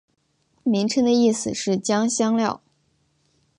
名称的意思是将香料。